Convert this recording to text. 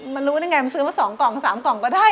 มันรู้ได้ไงมันซื้อมา๒กล่อง๓กล่องก็ได้